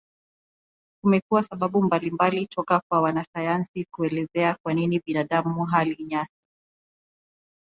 Kumekuwa sababu mbalimbali toka kwa wanasayansi kuelezea kwa nini binadamu hali nyasi.